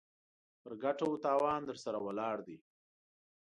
پر ګټه و تاوان درسره ولاړ دی.